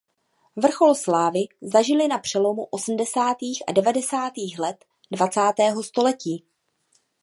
Vrchol slávy zažili na přelomu osmdesátých a devadesátých let dvacátého století.